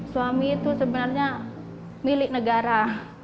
suami itu sebenarnya milik negara